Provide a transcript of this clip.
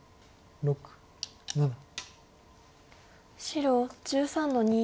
白１３の二。